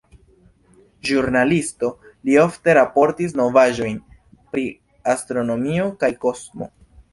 Ĵurnalisto, li ofte raportis novaĵojn pri astronomio kaj kosmo.